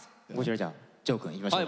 じゃあ丈くんいきましょうか。